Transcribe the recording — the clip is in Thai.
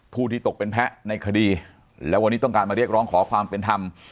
ที่ตกเป็นแพ้ในคดีแล้ววันนี้ต้องการมาเรียกร้องขอความเป็นธรรม